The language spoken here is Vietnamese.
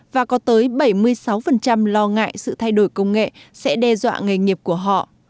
và có tới bảy mươi sáu lo ngại sự thay đổi công nghệ sẽ đe dọa nghề nghiệp của họ